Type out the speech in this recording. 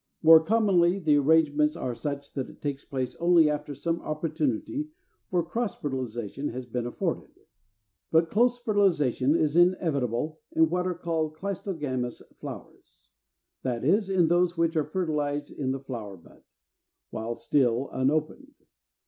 More commonly the arrangements are such that it takes place only after some opportunity for cross fertilization has been afforded. But close fertilization is inevitable in what are called Cleistogamous Flowers, that is, in those which are fertilized in the flower bud, while still unopened.